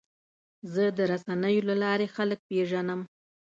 زه د رسنیو له لارې خلک پیژنم.